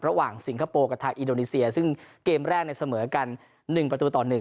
สิงคโปร์กับทางอินโดนีเซียซึ่งเกมแรกในเสมอกัน๑ประตูต่อ๑